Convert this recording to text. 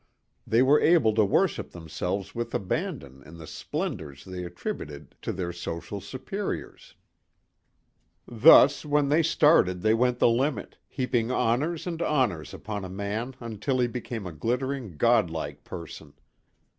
They were able to worship themselves with abandon in the splendors they attributed to their chosen superiors. Thus when they started they went the limit, heaping honors and honors upon a man until he became a glittering God like person.